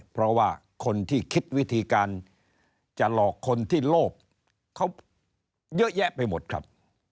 เพราะว่าคนที่คิดวิธีการจะหลอกคนที่โลภเขาเยอะแยะไปหมดครับ